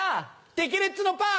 テケレッツのパー。